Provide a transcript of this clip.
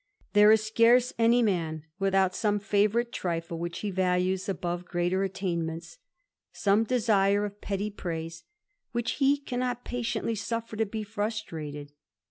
There is scarcely in without some favourite trifle which he values above attainments, some desire of petty praise which he patiently suffer to be frustrated.